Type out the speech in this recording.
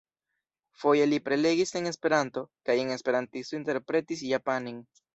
Foje li prelegis en Esperanto, kaj esperantisto interpretis japanen.